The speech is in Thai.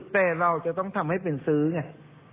แต่เราจะต้องทำให้เป็นซื้อไง